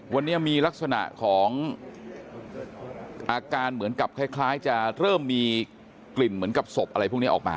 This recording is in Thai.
วันนี้มีลักษณะของอาการเหมือนกับคล้ายจะเริ่มมีกลิ่นเหมือนกับศพอะไรพวกนี้ออกมา